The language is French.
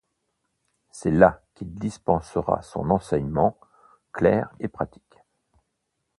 C’est là qu’il dispensera son enseignement, clair et pratique.